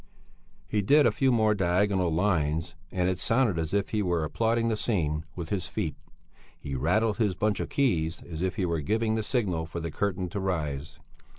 '" He did a few more diagonal lines and it sounded as if he were applauding the scene with his feet; he rattled his bunch of keys as if he were giving the signal for the curtain to rise.